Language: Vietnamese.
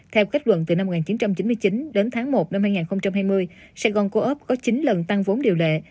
theo kết luận từ năm một nghìn chín trăm chín mươi chín đến tháng một năm hai nghìn hai mươi sài gòn co op có chín lần tăng vốn điều lệ